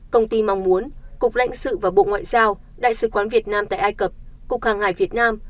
công ty mong muốn cục lãnh sự và bộ ngoại giao đại sứ quán việt nam tại ai cập cục hàng hải việt nam